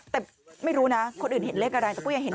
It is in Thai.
แต่ไม่รู้นะคนอื่นเห็นเลขอะไรแต่ก็ยังเห็น